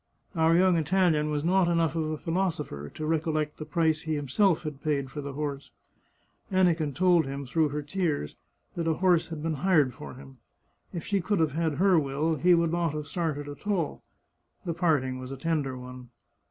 Our young Italian was not enough of a philosopher to recollect the price he himself had paid for the horse. Aniken told him, through her tears, that a horse had been hired for him. If she could have had her will he would not have started at all. The parting was a tender one.